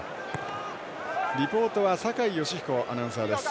リポートは酒井良彦アナウンサーです。